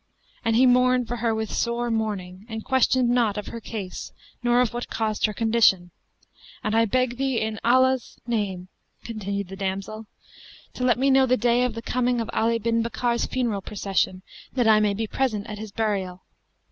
And he mourned for her with sore mourning, and questioned not of her case nor of what caused her condition. And I beg thee in Allah's name' (continued the damsel) 'to let me know the day of the coming of Ali bin Bakkar's funeral procession that I may be present at his burial.'